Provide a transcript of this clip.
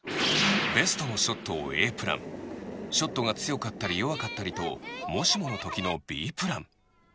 ベストのショットをＡプランショットが強かったり弱かったりともしもの時のＢプラン